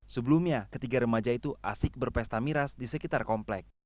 sebelumnya ketiga remaja itu asik berpesta miras di sekitar komplek